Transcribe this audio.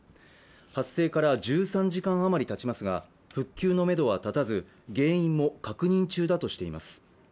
発生から１３時間余りたちますが復旧のめどは立たず、原因も確認中だとしています。